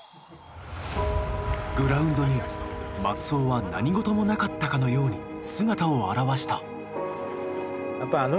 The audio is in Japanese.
グラウンドに松尾は何事もなかったかのように姿を現した。